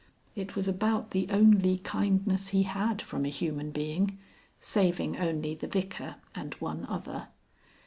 It was about the only kindness he had from a human being (saving only the Vicar and one other).